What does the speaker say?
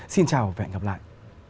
xin chào và hẹn gặp lại